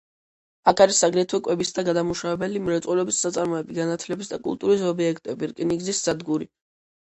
აქ არის აგრეთვე კვების და გადამამუშავებელი მრეწველობის საწარმოები, განათლების და კულტურის ობიექტები, რკინიგზის სადგური.